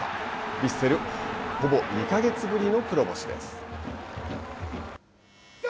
ヴィッセルほぼ２か月ぶりの黒星です。